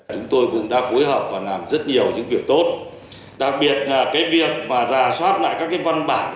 chúng tôi cũng đã phối hợp và làm rất nhiều những việc tốt đặc biệt là cái việc mà rà soát lại các cái văn bản